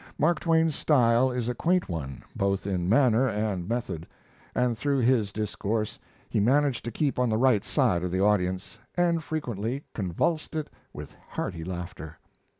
Mark Twain's style is a quaint one both in manner and method, and through his discourse he managed to keep on the right side of the audience, and frequently convulsed it with hearty laughter....